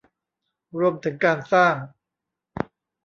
รวมถึงการสร้าง